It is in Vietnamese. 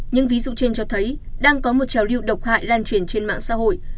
những ví dụ trên cho thấy đang có một trào lưu độc hại lan truyền trên mạng xã hội